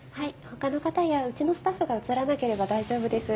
ほかの方やうちのスタッフが写らなければ大丈夫です。